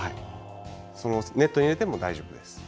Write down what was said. ネットに入れても大丈夫です。